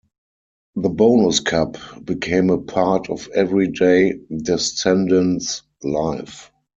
The Bonus Cup became a part of everyday Descendants life.